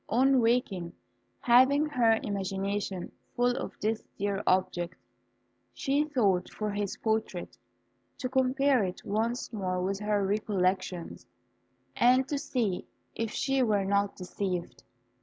On waking, having her imagination full of this dear object, she sought for his portrait, to compare it once more with her recollections, and to see if she were not deceived.